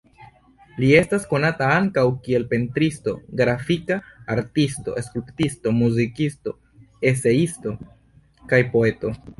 Li estas konata ankaŭ kiel pentristo, grafika artisto, skulptisto, muzikisto, eseisto kaj poeto.